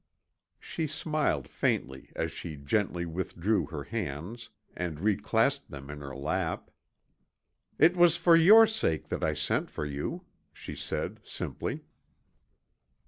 She smiled faintly as she gently withdrew her hands and reclasped them in her lap. "It was for your sake I sent for you," she said, simply.